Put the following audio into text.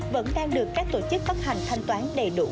vẫn đang được các tổ chức phát hành thanh toán đầy đủ